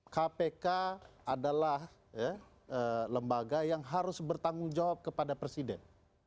kpk adalah lembaga yang harus bertanggung jawab kepada presiden